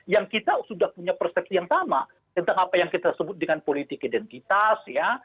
yang kita sudah punya persepsi yang sama tentang apa yang kita sebut dengan politik identitas ya